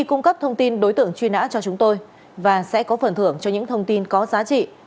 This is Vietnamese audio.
cung cấp thông tin đối tượng truy nã cho chúng tôi và sẽ có phần thưởng cho những thông tin có giá trị